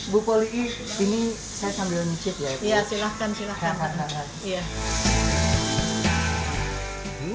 bu poliki ini saya sambil mencet ya